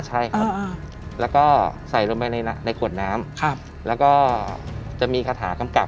ใช่ครับแล้วก็ใส่ลงไปในขวดน้ำแล้วก็จะมีคาถากำกับ